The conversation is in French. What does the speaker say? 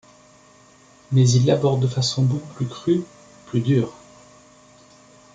Mais il l'aborde de façon beaucoup plus crue, plus dure.